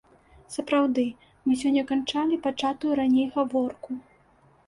Сапраўды, мы сёння канчалі пачатую раней гаворку.